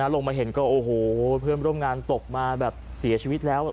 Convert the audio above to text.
ลงมาเห็นก็โอ้โหเพื่อนร่วมงานตกมาแบบเสียชีวิตแล้ว